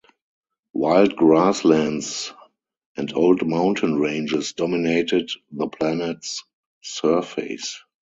Wild grasslands and old mountain ranges dominated the planet's surface.